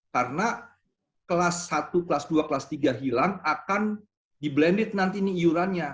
karena kelas satu kelas dua kelas tiga hilang akan di blended nanti ini iurannya